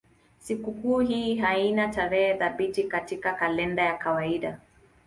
Sikukuu hii haina tarehe thabiti katika kalenda ya kawaida.